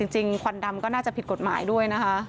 ควันดำก็น่าจะผิดกฎหมายด้วยนะคะ